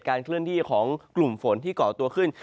เคลื่อนที่ของกลุ่มฝนที่เกาะตัวขึ้น